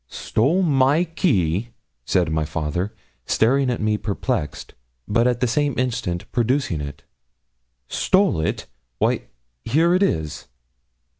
'Stole my key!' said my father, staring at me perplexed, but at the same instant producing it. 'Stole it! Why here it is!'